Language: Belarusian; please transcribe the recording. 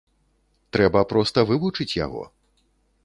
Трэба проста вывучыць яго.